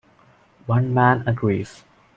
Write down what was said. One man agrees.